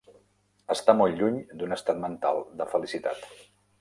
Està molt lluny d'un estat mental de felicitat.